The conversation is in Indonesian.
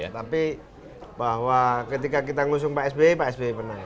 tapi bahwa ketika kita ngusung pak sby pak sby menang